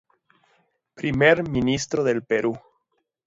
Primer Ministro del Perú.